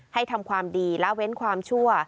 ทำความดีละเว้นความชั่ว